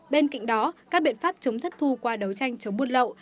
bên cạnh đó các biện pháp chống thất thu qua đấu tranh chống buôn lậu